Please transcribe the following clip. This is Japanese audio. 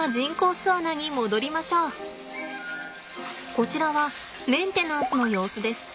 こちらはメンテナンスの様子です。